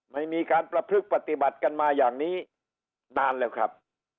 ไม่มีการประพฤกษปฏิบัติกันมาอย่างนี้นานแล้วครับ